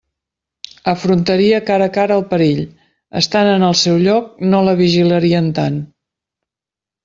Afrontaria cara a cara el perill: estant en el seu lloc no la vigilarien tant.